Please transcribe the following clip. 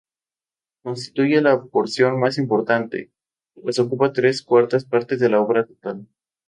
Constituye la porción más importante, pues ocupa tres cuartas partes de la obra total.